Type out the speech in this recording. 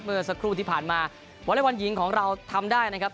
เมื่อสักครู่ที่ผ่านมาวอเล็กบอลหญิงของเราทำได้นะครับ